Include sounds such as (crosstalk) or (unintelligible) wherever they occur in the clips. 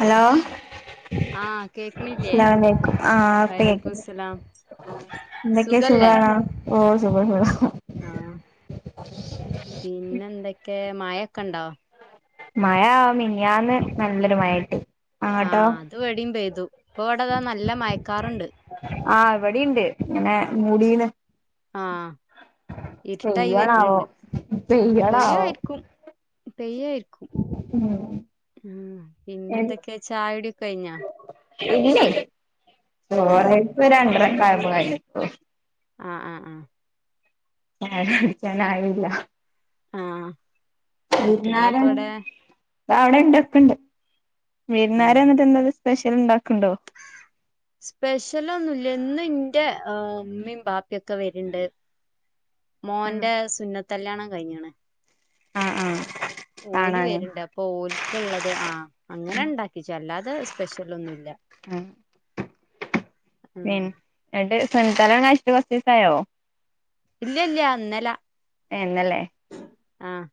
Hello. ആഹ് കേക്കണില്ലേ? അസ്സലാമലൈക്കും ആഹ് ഇപ്പ വലൈക്കു കേക്ക്ണ്ട് മുസ്സലാം. എന്തൊക്കെ സുഖാണോ? ഓഹ് സുഖം സുഖം. ആഹ് പിന്നെ എന്തൊക്കെ മയൊക്കെ ഉണ്ടോ? മഴ മിനിയാന്ന് ന്നല്ലൊരു മഴട്ടി അങ്ങട്ടോ? ത് ഇവടിം പെയ്തു ഇപ്പഇവടെതാ ന്നല്ലെ മയക്കാർണ്ട്. ആഹ് ഇവടീണ്ട് ഇങ്ങനെ മൂടീണ്. ആഹ് ഇരുട്ടായി പെയ്യാണാവോ വെര്ന്ണ്ട്. പെയ്യാണാവോ അപെയ്യായിരിക്കും, പെയ്യായിരിക്കും. ഉം. ഉം പിന്നെന്തൊക്കെ ചായുടിക്കെ കഴിഞ്ഞോ? ഇല്ലേയ് ആഹ് ചോറയ്പ് രണ്ടരക്കായപ്പോ കയിഞ്ഞിട്ടൊള്ളു. ആഹ്, ആഹ്, ആഹ് ഞാന് വിളിക്കാനായില്ല ആഹ് വിര്ന്നാർ കുട്ടികളൊക്കെ ആഹ് ഇവിടെ അവിടെണ്ട് ഒക്കെണ്ട്. വിരുന്നാര് ആഹ് വന്നിട്ട് എന്താന്ന് സ്പെഷ്യല് ഇണ്ടാക്ക്ണ്ടോ? സ്പെഷ്യലൊന്നുല്ല ഇന്ന് ഇന്റെ ഇമ്മീ ബാപ്പിയൊക്കെ വെര്ണ്ട്. ആഹ് മോന്റെ സുന്നത്തെല്ല്യാണം കഴിഞ്ണ്. ആഹ്, ആഹ് ഓല് വേര്ണ്ട് അപ്പൊ ഓൽക്ക്ഇള്ളത് ആഹ് അങ്ങനെണ്ടാക്കിച്ചു അല്ലാതെ സ്പെഷ്യലൊന്നുല്ല. പിന് ന്നട്ട് സുൻത്തല്ലിയാണം കയ്ച്ചിട്ട് കൊർച്ചീസായോ? ഇല്ല, ഇല്ല ഇന്നല. ഏഹ് ഇന്നലേ ആഹ്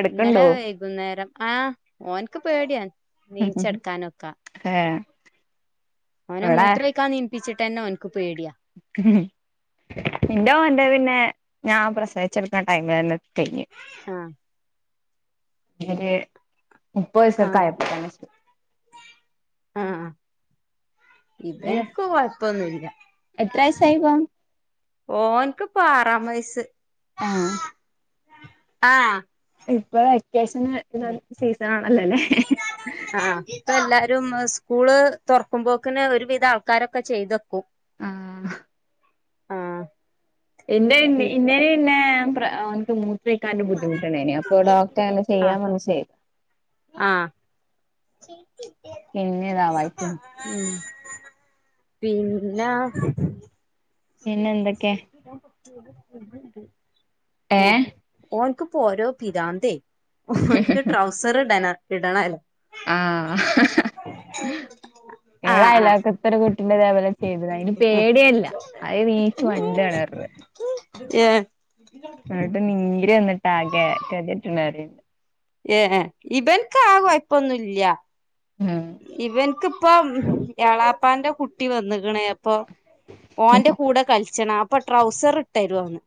അടുക്കുണ്ടോ ഇന്നെലെ വെയ്കുന്നേരം ആഹ് ഓൻക്ക് പേടിയാണ്. ന്നീചടക്കാനൊക്ക ഏഹ് ഓനെ ഇവിടെ മൂത്രേയ്ക്കാൻ ന്നീപ്പിച്ച്ട്ടെന്നെ ഓൻക്ക് പേടിയാ. ഉം ഇന്റെ മോന്റെ പിന്നെഞാൻ പ്രസവിച്ചെട്ക്കുന്ന ടൈമിലെന്നെ കൈഞ്. ആഹ് ഒര് മുപ്പഹീസൊക്കെ ആഹ് ആയപ്പോതെന്നെ ആഹ് ഏഹ് ഇബെൻക്ക് കൊഴപ്പൊന്നുല്ല. എത്ര വയസായി ഇപ്പം ഓന്ക്ക്പ്പോ ആറാംവയസ്. ഏഹ് ആഹ് ഇപ്പൊ വെക്കെശെന് (unintelligible) ആഹ് ഇപ്പഎല്ലാരും സ്കൂള് തുറക്കുമ്പോക്കിന് ഒരുവിധം ആൾക്കാരൊക്കെ ചെയ്തെക്കും. ആഹ് ആഹ് ഇന്റെ ന്ന് പി ഇന്നേ ന്നെ പ്ര ഓൻക്ക് മൂ ത്രൊയ്ക്കാൻ ബുദ്ധിമുട്ടുണ്ടായിനി അപ്പൊ ഡോക്ട്ടറ് ആഹ് അനെചെയ്യാം പർഞ് ചെയ്തു. ആഹ് (inaudible) പിന്നെതാ വായികു ഉം പിന്നാ പിന്നെ എന്തൊക്കെ ഉം ഏഹ് ഓന്ക്ക് പോരോപിരാന്തെ ഹോൻക്ക് ട്രൗസർ ഇടന ഇടണേലോ. ആഹ് ഇവടെ ആഹ് ആഹ് അയലോക്കത് ഒരുകൂട്ടിന്റെതെപോ ത ചെയ്യ്ത്ണ് അയ്ന് പേടിയെല്ല അഹ് ന്നീച്ച് മണ്ടാണർഞ് ഏഹ് ന്നട്ട് നീര് വന്നിട്ടാകെ കെതിയെട്ട്ണ്അറിണ്ട്. ഏഹ് ഇബെൻക്കാ കൊയ്പ്പൊന്നുല്ല ഉം ഇവൻക്ക് പ്പം ഏളാപ്പാന്റെ കുട്ടി വന്ന്ക്ണ് പ്പം ഓന്റെ കൂടെ കളിച്ചണം അപ്പ ട്രൗസറ്ട്ടരോന്ന്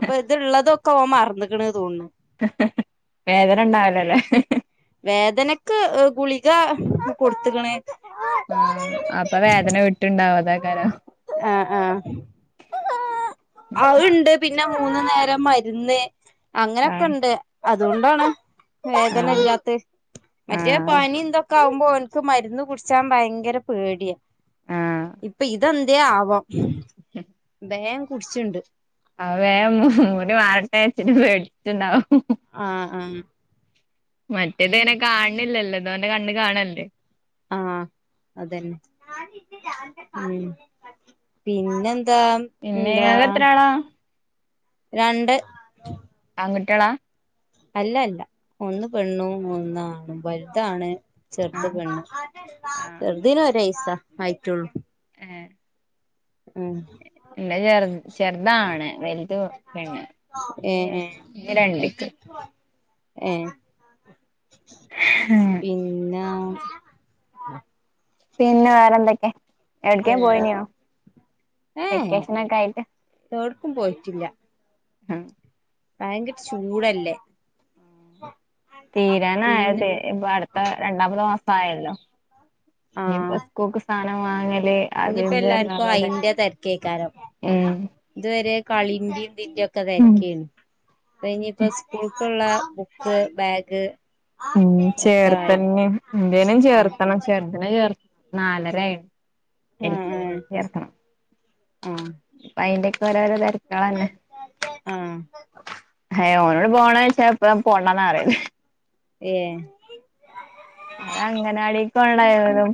അപ്പ ത്ള്ളതൊക്കെ ഓൻ മറ്ന്ന്ക്ക്‌ണ് തോന്ന്ണ് വേദന ണ്ടാവലല്ലേ വേദനക്ക് ഗുളിക കൊടുത്ത്‌ക്ക്‌ണ് ആഹ് അപ്പ വേദന വിട്ട്ണ്ടാവു അതാക്കാരം ആഹ് ആഹ് അഹ്ണ്ട് പിന്നെ മൂന്ന് നേരം മര്ന്ന് അങ്ങനെക്കെ ആഹ് ണ്ട് അത്കൊണ്ടാണ് ആഹ് വേദനല്ലാ മറ്റേ ആഹ് പനി ന്തൊക്കെ ആകുമ്പോ ഓൻക്ക് മരുന്ന് കുട്ച്ചാ ഭയങ്കര പേടിയാ ആഹ് ഇപ്പ ഇതെന്തേ ആവം ബേം കുട്ച്ണ്ട് അഹ് വേ മുറി മാറട്ടെ (unintelligible) പേട്ച്ട്ട്ണ്ടാവും ആഹ് ആഹ് മറ്റേത്ങ്ങനെ കാണ് ണില്ലല്ലോ ഇതോന്റെ കണ്ണ് കാണല്ലേ ആഹ് അതന്നെ ഉം പിന്നെന്താ പിന്നെ എന്താ ഇങ്ങക്ക് എത്ര ആളാ രണ്ട് ആൺകുട്ടികളാ അല്ല അല്ല ഒന്ന് പെണ്ണും ഒന്നാണും വല്താണ് ചെറ്ത് ആഹ് പെണ്ണ് ആഹ് ചെറ്തീന് ഒരൈസാ ആയ്റ്റൊള്ളൂ ഏ ൻ്റെ ചെറ്താണ് വെല്ത് പെണ്ണ് ഏ ഞ് ഏ രണ്ട്ക്ക് എത്ര ഏ (unintelligible) പിന്നാ പിന്നെ വേറെ ന്തൊക്കെ എട്ക്കേം വേറെ പോയിനോ ഏ വെക്കേഷനൊക്കെ ആയിട്ട് എവിടക്കും പോയിട്ടില്ല ഉം ഭയങ്കര ചൂടല്ലേ പിന്നെ തീരാനായത് ഇപ്പൊ അട്ത്ത രണ്ടാമത് മാസായല്ലോ കൂക്ക് സാനം വാങ്ങല് അത് ഇഞ്പ്പോ ഇത് എല്ലാർക്കും പറഞ്ഞുള്ള അയിന്റെ തിരക്ക് തെര്ക്കേക്കാരം ഉം ഇത് വെരെ കളിന്റെതിന്റെ ഒക്കെ ഉം തെര്ക്കെനി തയ്ഞ് പ്പോ സ്കൂൾക്കുള്ള ബുക്ക് ബാഗ് ഉം ഒക്കെ ആയി ചേർത്തന്നെ ഇന്റെനിം ആഹ് ചേർത്തണം ചേർത് നെ ചേർ നാലരയായി എൽ കെ ആഹ് ജി ക്ക്‌ ചേർക്കണം ആഹ് പ്പ അയിന്റെയക്കെ ഓരോരോ തെര്ക്കാള ന്നെ ആഹ് ഹേ ഓനോട് പോണോയ്ച്ചാ പ്പളും പോണ്ടാന്നാ പറയല് ഏ അത് അങ്ങനാടിക് പോണേ ടൈമിലും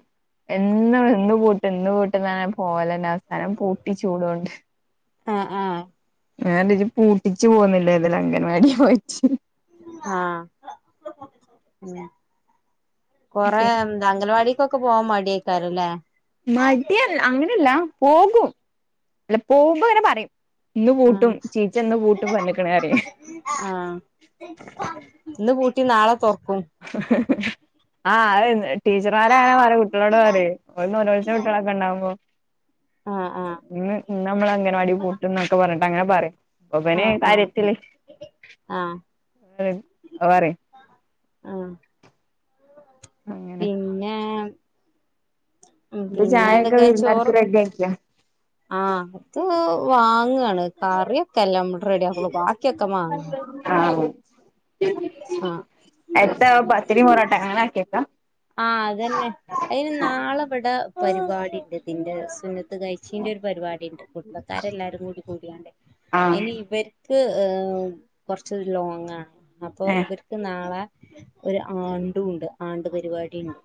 എന്നും ഇന്ന് പൂട്ട് ഇന്ന് പൂട്ട് പോല ന്നെ അവസാനം പൂട്ടി ച്ചൂടോണ്ട് ആഹ് ആഹ് ഞാന്ച് പൂട്ടിച്ച് പോന്നിലെ ഇത് ല് അങ്കൻവാടി പോയിട്ട് ആഹ് ഉം കൊറെ പി അംഗല വാടിക്കൊക്കെ പോവാൻ മടിയേക്കാര ല്ലേ മടിയാണ് അങ്ങനെല്ല പോകും അല്ല പോകുംമ്പങ്ങെനെ പറയും ഇന്ന് പൂട്ടും ആഹ് ചീച്ചന്ന് പൂട്ടും പറ്ഞ്ക്ക്‌ണ് പറിം ആഹ് ഇന്ന് പൂട്ടി നാളെ തൊറ്ക്കും ആഹ് അതന്നെ ടീച്ചർമാരെ അങ്ങനെ പറിം കുട്ടികളോട് പറിം ഓല് നൊലോൾച്ച്ണ കുട്ടികളൊക്കെണ്ടാവുമ്പോ ആഹ് ആഹ് ഇന്ന് ഞമ്മള് അംഗൻവാടി പൂട്ടും എന്നൊക്കെ പറഞ്ഞിട്ട് അങ്ങനെ പറയാം അപ്പൊ ഇബന് ആഹ് ആഹ് കാര്യത്തില് ആഹ് അയ് പറയും ആഹ് അങ്ങനെ പിന്നെ ഉം ഇത് പിന്നെ ചായയൊക്കെ വീരുന്നാര്ക്ക് റെഡി ആക്കിയോ ആഹ അത് വാങ്ങാണ് കറിയൊക്കെ അല്ലെ നമ്മള് റെഡി ആക്കുള്ളൂ ബാ ആഹ് ആഹ് എത്ത പത്തിരി പോറട്ടാ അങ്ങനെ ആക്കിയേക്കാ ആ അതന്നെ അതിന് നാളെ ഇവിടെ പരിപാടി ഇണ്ട് ഇതിന്റെ സുന്ന കഴിച്ചീന്റെ ഒരു പരിപാടിണ്ട് കുടുംബക്കാരെല്ലാരും കൂടി കൂടിയാണ്ട് ആഹ് അതിനി ഇവർ ക്ക് കുറച്ച് ലോങ്ങ അപ്പോ ഏഹ് ഇവര് ക്ക് നാളെ ഒരു ആണ്ടു ഉണ്ട് ആണ്ട് പ പരിപാടിണ്ട്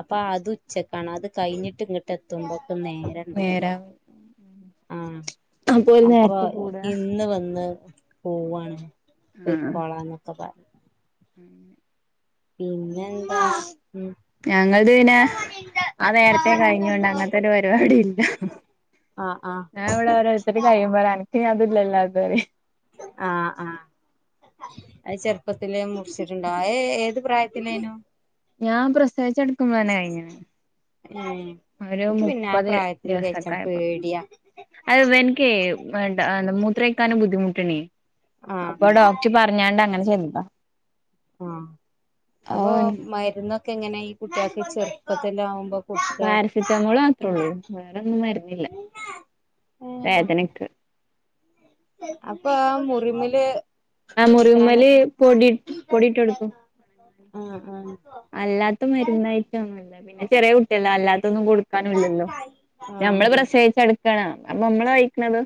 അപ്പൊ അത് ഉച്ചക്കാണ് അത് കഴിഞ്ഞിട്ട് ഇങ്ങോട്ട് എത്തുമ്പോക്കും നേരം നേരാ ആഹ് ഓല് അപ്പൊ നേരത്തെ കൂടാ ഇന്ന് വന്ന് പോവാണ് ആഹ് പോയിക്കോളാ എന്നൊക്കെ പറഞ്ഞു (unintelligible) പിന്നെ എന്താ ഞങ്ങളത് പിന്നെ ആ നേരത്തെേ കഴിഞ്ഞോണ്ട് ഉം അങ്ങനത്തെ ഒരു പരിപാടി ഇല്ല ആഹ് ആഹ് ഞാൻ ഇവിടെ ഒരോര്ത്തര് കഴിയുമ്പൊഴ് അനക്ക് ഇഞ് അത് ഇതില്ലല്ലോ എന്ന് പറയും ആഹ് ആഹ് അത് ചെറുപ്പത്തിലെ മുറിച്ചിട്ടുണ്ടാവും അത്ഏത് പ്രായത്തിലേനു ഞാൻ പ്രസവിച്ച് കടുക്കുമ്പോ തന്നെ കഴിഞ്ഞ്ണ് ഏഹ് ഒരു ഇനിക്ക് പിന്നെ ആ മുപ്പത് പ്രായത്തില് കഴിച്ചാൻ ദിവസൊക്കെ ആയപ്പോ പേടിയാ അത് ഇവൻക്കേ മൂത്രൊയിക്കാനും ബുദ്ധിമുട്ടണേ അപ്പൊ ആഹ് ഡോക്ടർ പറഞ്ഞാണ്ട് അങ്ങനെ ചെയ്തതാ ആഹ് അപ്പൊ ഓൻ മരുന്നൊക്കെ എങ്ങനെ ഈ കുട്ടികൾക്ക് ചെറുപ്പത്തില് ആവുമ്പോ പാരസിറ്റമോൾ മാത്രേള്ളൂ വേറൊന്നും മരുന്നില്ല ഏഹ് വേദനക്ക് അപ്പൊ ആ മുറിമില് ആ കുത്തിക്കാന് മുറീമല് പൊടി പൊടിട്ട് കൊടുക്കും ആഹ് ആഹ് അല്ലാത്ത മരുന്നയിറ്റം ഒന്നുല്ല പിന്നെ ചെറിയ കുട്ടിയല്ലെ അല്ലാത്തൊന്നും കൊടുക്കാനും ഇല്ലല്ലോ ആഹ് നമ്മള് പ്രസവിച്ച് കട ക്കാണ് അപ്പൊ നമ്മള് കയിക്കണത്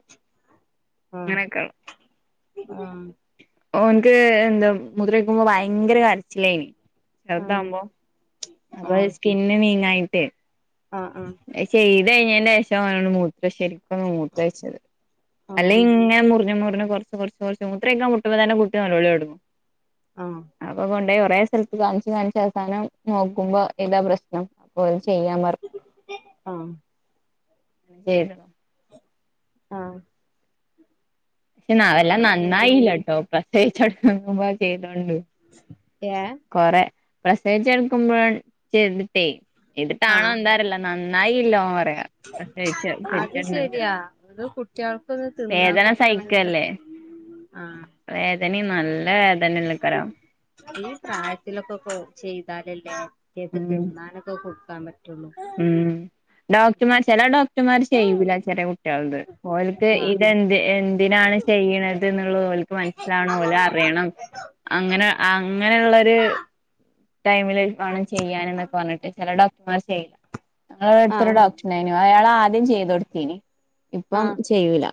ആഹ് അങ്ങനെയൊക്കെ ആഹ് ഓന്ക്ക് എന്താ മുത്രം ഒഴിക്കുമ്പോ ഭയങ്കര കരച്ചില്ലേനി ചെറുതാവുമ്പോ അപ്പൊ ആഹ് സ്കിന്ന് നീങ്ങായിട്ടേ ആഹ് ആഹ് ചെയ്ത് കഴിഞ്ഞേന്റെ ശേഷമാണ് മൂ ശരിക്കും ഒന്നു മൂത്ര ഒയ്ച്ചത് അല്ലെ ആഹ് ഇങ്ങനെ മുറിഞ്ഞ് മുറിഞ്ഞ് കൊറച്ച് കുറച്ച് മൂത്ര ഒഴിക്കാൻ മുട്ടുമ്പോ തന്നെ കുട്ടി നെലോളി തൊടങ്ങും ആഹ് അപ്പൊ കൊണ്ടോയി കൊറെ സ്ഥലത്ത് കാണിച്ചു കാണിച്ച് അവസാനം നോക്കുമ്പോ ഇതാ പ്രശ്നം അപ്പം ഓൽ ചെയ്യാൻ പറഞ്ഞ് ആഹ് ഏതാ ആഹ് പക്ഷെ ന്ന വെല്ലാ പിന്നെ നന്നായില്ലട്ടോ പ്രസവിച്ചടുക്കുമ്പോ ചെയ്തോണ്ട് ഏഹ് കൊറെ പ്രസവിച്ചെട്ക്കുമ്പോ ചെയ്തിട്ടേ ഇതിട്ടാണോ ആഹ് എന്താറില നന്നായില്ലാ ഓം പറയാ പ്രസവിച്ച് അത് പെറ്റെന്നിട്ട് ശരിയാ. ഇത് കുട്ടികൾക്കൊന്ന് തിന്നാ വേദന കൊട്ക്കണെങ്കിലും ആഹ് വേദനിം നല്ല വേദനല്ലെക്കാരം ഈ പ്രായത്തിലൊക്കാ പ്പൊ ചെയ്താലല്ലേ കുട്ട്യേക്ക് ത് ഉം ന്നാനൊക്കെ കൊട്ക്കാൻ പറ്റൊള്ളൂ. ഉം. ഡോക്ടമാര് ചെല ഡോക്ടമാര് ചെയ്യൂല ചെറ്യേ കുട്ട്യേൾത്. ഓൽക്ക് ആഹ് ഇതെന്ത് എന്തിനാണ് ചെയ്യ്ണത് ന്ന്ള്ളത് ഓൽക്ക് മൻസ്സിലാവണം ഓലറിയണം. അങ്ങനെ അങ്ങനെള്ളൊര് ടൈമില് വാണം ചെയ്യാന് ന്നൊക്കെ പർഞ്ഞിട്ട്. ചെല ഡോക്ടമാര് ചെയ്യും. ഞങ്ങളെ വടട്ത്തൊരു ആഹ് ഡോക്ട് ന്നെയ്‌നു. അയാള് ആദ്യം ചെയ്തൊട്ത്തീനി. ഇപ്പം ആഹ് ചെയ്യൂല.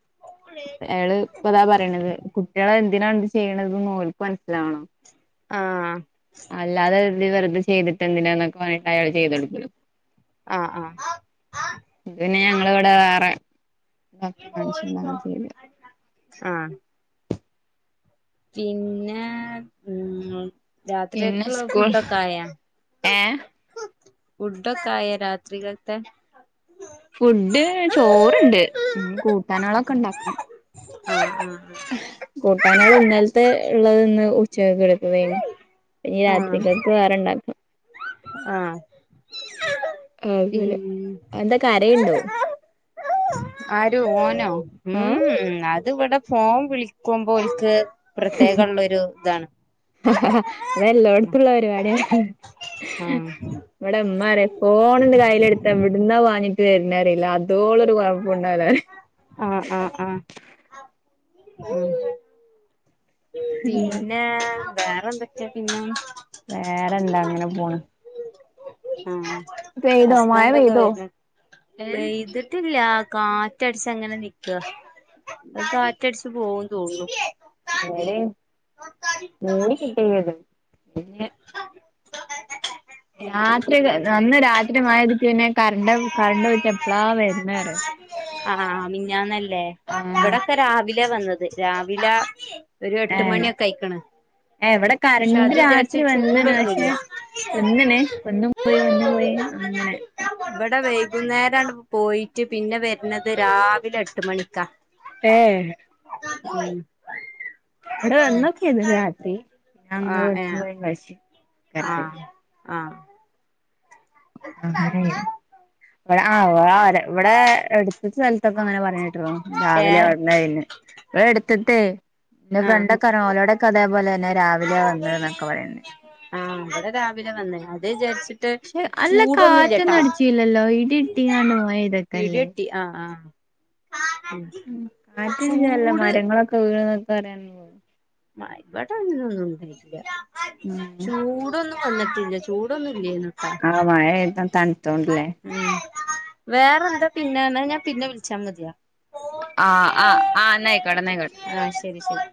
അയാള് പ്പതാ പറയിണത്. കുട്ട്യള് എന്തിനാണ് ഇത് ചെയ്യ്ണത് ന്ന് ഓൽക്ക് മൻസ്സിലാവണം. ആഹ് അല്ലാതെ ത് വെറ്തെ ചെയ്തിട്ടെന്തിനാന്നൊക്കെ പർഞ്ഞിട്ട് അയാള് ചെയ്തൊട്ക്കൂല. ആഹ് ആഹ് ഇത് പിന്നെ ആഹ് ഞങ്ങള് വടെ വേറെ ഡോക്ടെ കാണിച്ച് ന്നാ അങ്ങനെ ചെയ്തത് ആഹ് പിന്നേ പിന്നെ രാത്രിയേക്ക്ള്ള സ്കൂൾ ഫുഡൊക്കെ ആയാ ഏഹ് ഫുഡൊക്കായൊ രാത്രിക്കത്തെ? ഫുഡ് ചോറ്ണ്ട്. ഇഞ്ഞ് കൂട്ടാനേളൊക്കെണ്ടാക്കണം. ആഹ് ആഹ് ആഹ് കൂട്ടാനേള് ഇന്നൽത്തെള്ളത് ന്ന് ഉച്ചകേക്ക് ഇ ത്ത് വെയ്ന്. ഇനി ആഹ് രാത്രിക്കക്ക് വേറെ ണ്ടാ ആഹ് (unintelligible) ല് പിൻ അന്താ കരയ്ണ്ടോ? ആര് ഓനോ ആ ഉം, ഉം അത് വടെ ഫോൺ വിളിക്കുമ്പൊ ഓൽക്ക് പ്രത്യേകള്ളൊരുതാ. അതെല്ലോട്ത്തുള്ള പരിപാടിയാ ആഹ് വടെ മ്മ റിം ഫോണ്ന്ന് കൈയിലെ തെ എവ്ട്ന്നാ പാഞ്ഞിട്ട് വെര്ണറീല. അതോളൊരു കൊഴപ്പുണ്ടാവൂലാറിം. ആഹ് ആഹ് ആഹ് ആഹ് ഉം പിന്നേ വേറെന്തൊക്കെ പിന്നെ? വേറെന്താ ങ്ങനെ പോണ്. ആഹ് പെയ്തോ മഴ ഹസ്ബൻ്റൊക്കെ പെയ്തോ വെര്ന് പെയ്ത് ട്ടില്ലാ കാറ്റട്ച്ചങ്ങനെ നിക്കാ അത് കാറ്റട്ച്ച് പോവും തോന്ന്ണു. വേടിം മൂടിക്കെട്ടിയൊക്കെ ചെയ്ത് ണ് പിന്നെ (inaudible) രാത്രിക്കെ ന്നന്ന രാത്രി മഴെയ്തിട്ട് പിന്നെ കറണ്ട് കറണ്ട് പോയിട്ട് എപ്പളാ വെര്ണറ്യോ അഹ് ആഹ് മിഞ്ഞാന്നല്ലേ ആ ഇവടൊക്കെ രാവിലേ വന്നത് രാവിലാ ഒരു ഏ എട്ട് മണിയൊക്കെ അയ്ക്ക്ണ് ഏ ഇവടെ കരണ്ട് രാത്രി വന്ന്ണ് പക്ഷെ ചൂടൊന്നുല്ല വന്ന്ണ് വന്നും പോയും വന്ന് പോയിം അങ്ങനെ ഇവടെ വൈകുന്നേരാണ്ട് പോയിറ്റ് പിന്നെ വെര്ണത് രാവിലെ എട്ട് മണിക്കാ ഏഹ് ഉം ഇവിടെ വന്നൊക്കെയ്ത്ണ് രാത്രി അങ്ങനെ ആഹ് വന്നും ഏഹ് പോയും കൾച്ച ആഹ് ആഹ് അങ്ങനെയ്നി വടെ ആഹ് വ്ടെ അട്ത്ത സെൽ ത്തൊക്കെ അങ്ങനെ പറഞ്ഞേട്ട്ണു രാവിലെയാ ഏഹ് വന്നേയ്ന് ഇവടെ എട്ത്ത്ത്തെ ഇൻ്റെ ആഹ് ഫ്രണ്ടൊ ക്കർഞ്ഞ് ഓലോടൊക്കെ അതേപോലെയെന്നെ രാവിലേ വന്നേന്നൊക്കെ പറീണ്ട് ആഹ് ബടെ രാവിലെ വന്നേ അത്ചാരിച്ച് ട്ട് പക്ഷെ നല്ല കാറ്റൊന്നും ചൂടൊന്നുല്ല്യട്ടോ അടിച്ചില്ലല്ലോ ഇടി ഇട്ടിങ്ങാണ്ട് മഴ പെയ്തൊക്കെയല്ലേ ഇടിയെട്ടി. ആഹ് ആഹ് ഉം ഉം കാറ്റടിച്ചല്ല ചൂട് മരങ്ങളൊക്കെ വീണ്ന്നൊക്കെ അറിയാന് ആഹ് ഇവടെ അങ്ങനൊന്നും ഇല്ല ഉം ചൂടൊന്നും വന്നിട്ടില്ല ചൂടൊന്നും ഇല്ലേയ്ന്ന്. അടെ മഴെയ്ത് തണ്ത്തോണ്ട്ലേ. ഉം വേറെ എന്താ പിന്നെ ന്നാ ഞാൻ പിന്നെ വിളിച്ചാ മത്യാ ആഹ് ആഹ് ആഹ് ന്നായിക്കോട്ടെന്നായിക്കോട്ടെ ശെരി ശെരി